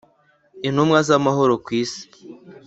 intumwa z amahoro kwisi